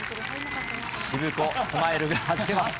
しぶこスマイルがはじけます。